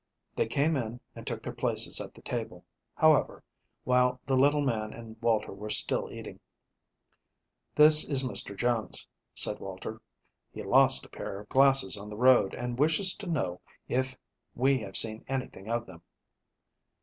They came in and took their places at the table, however, while the little man and Walter were still eating. "This is Mr. Jones," said Walter. "He lost a pair of glasses on the road, and wishes to know if we have seen anything of them."